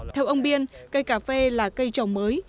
theo ông biên cây cà phê là cây trồng mới